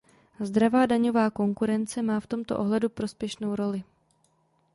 Zdravá daňová konkurence má v tomto ohledu prospěšnou roli.